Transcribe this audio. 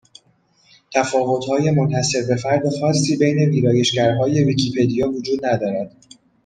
تفاوتهای منحصربهفرد خاصی بین ویرایشگرهای ویکیپدیا وجود ندارد